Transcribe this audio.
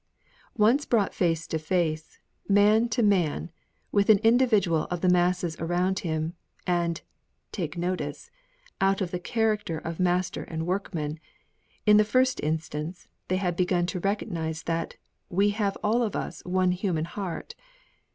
Once brought face to face, man to man, with an individual of the masses around him, and (take notice) out of the character of master and workman, in the first instance, they had each begun to recognise that "we have all of us one human heart."